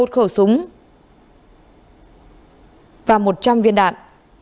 một khẩu súng và một trăm linh viên đạn